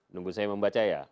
nunggu saya membaca ya